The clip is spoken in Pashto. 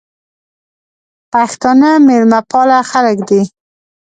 پښتانه مېلمه پاله خلګ دي.